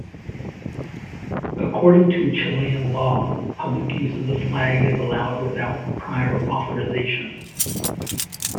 According to Chilean law, public use of the flag is allowed without prior authorization.